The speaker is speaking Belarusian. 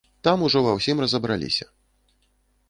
Там ужо ва ўсім разабраліся.